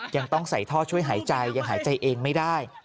ยังต้องใส่ท่อช่วยหายใจยังหายใจเองไม่ได้